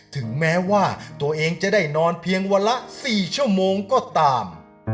ถึงแม้ว่าตัวเองจะได้นอนเพียงวันละ๔ชั่วโมงก็ตาม